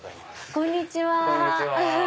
こんにちは。